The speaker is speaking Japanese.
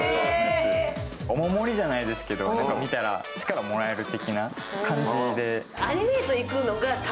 お守りじゃないですけど、力もらえる感じで。